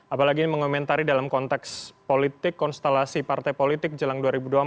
apalagi mengomentari dalam konteks politik konstelasi partai politik jelang dua ribu dua puluh empat